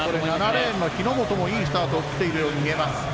７レーンの日本もいいスタートを切っているように思います。